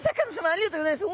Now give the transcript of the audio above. ありがとうございます。